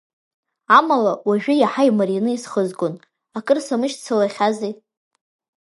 Амала уажәы иаҳа ирмаираны исхызгон, акыр самышьцылахьази.